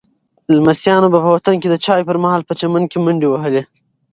لمسیانو به په وطن کې د چایو پر مهال په چمن کې منډې وهلې.